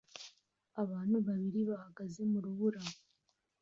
Abantu babiri bahagaze mu rubura